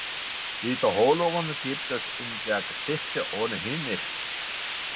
Wiederholungen gibt es in der Geschichte ohnehin nicht.